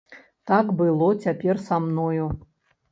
Так было цяпер са мною.